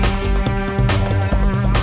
yang beneran lo